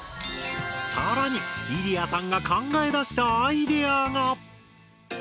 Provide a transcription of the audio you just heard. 更にイリヤさんが考え出したアイデアが。